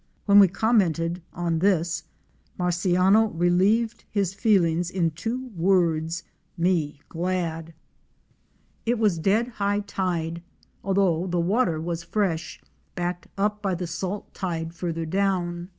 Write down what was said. When we commented on this, Marciano relieved his feelings in two words, "' Me glad!" THROUGH THE COASTAL WILDERNESS. 241 It was dead high tide, although the water was fresh — backed up by the salt tide farther down.